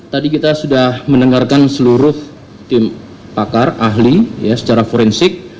tadi kita sudah mendengarkan seluruh tim pakar ahli secara forensik